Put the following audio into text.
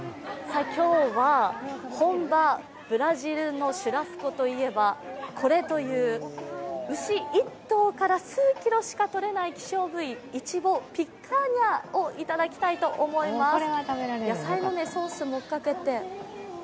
今日は本場・ブラジルのシュラスコといえばこれという牛１頭から数キロしかとれない希少部位イチボ、ピッカーニャを頂きたいと思います。